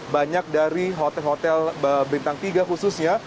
banyak dari hotel hotel bintang tiga khususnya